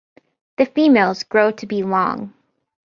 The females grow to be long.